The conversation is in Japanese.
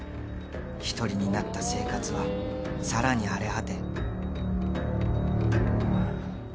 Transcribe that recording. ［一人になった生活はさらに荒れ果て］